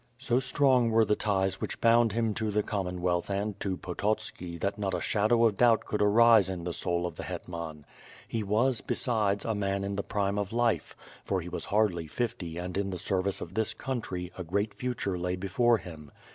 So strong were the ties which bound him to the Common wealth and to Pototski that not a shadow of doubt could arise in the soul of the hetman. He was, besides, a man in the prime of life, for he was hardly fifty and in the service of this country, a great future lay before him.